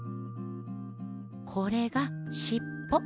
これがしっぽ。